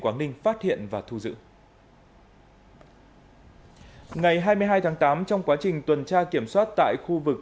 quảng ninh phát hiện và thu giữ ngày hai mươi hai tháng tám trong quá trình tuần tra kiểm soát tại khu vực